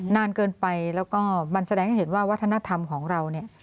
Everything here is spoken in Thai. นานเกินไปแล้วก็มันแสดงให้เห็นว่าวัฒนธรรมของเราเนี่ย